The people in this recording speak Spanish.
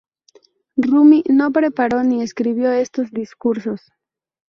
Rumi no preparó ni escribió estos discursos.